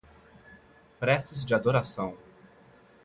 Preces de adoração